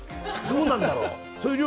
どうなんだろう。